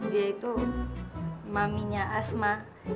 dia itu maminya asma